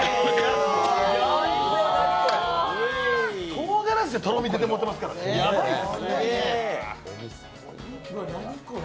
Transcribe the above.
とうがらしでとろみ出てもうてますからね、やばいです。